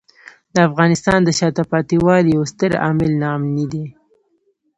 د افغانستان د شاته پاتې والي یو ستر عامل ناامني دی.